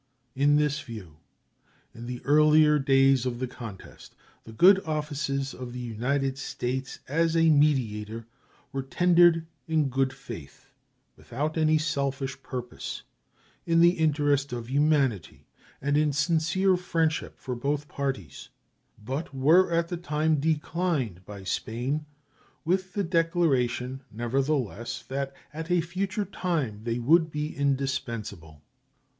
In this view in the earlier days of the contest the good offices of the United States as a mediator were tendered in good faith, without any selfish purpose, in the interest of humanity and in sincere friendship for both parties, but were at the time declined by Spain, with the declaration, nevertheless, that at a future time they would be indispensable.